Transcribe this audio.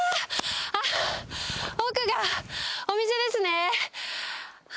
あっ、奥がお店ですね。